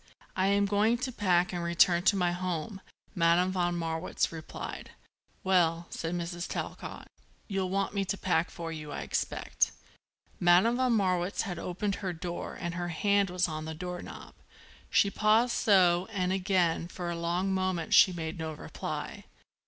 "I am going to pack and return to my home," Madame von Marwitz replied. "Well," said Mrs. Talcott, "you'll want me to pack for you, I expect." Madame von Marwitz had opened her door and her hand was on the door knob. She paused so and again, for a long moment, she made no reply.